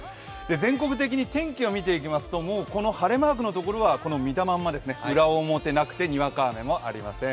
全国的に天気を見ていきますと晴れマークのところはこの見たまんまですね、裏表なくてにわか雨もありません。